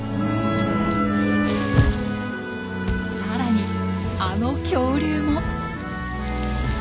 さらにあの恐竜も。